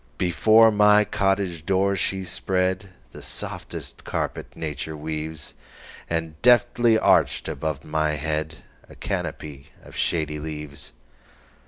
Before my cottage door she spreadThe softest carpet nature weaves, And deftly arched above my headA canopy of shady leaves.